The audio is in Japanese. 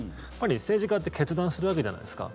政治家って決断するわけじゃないですか。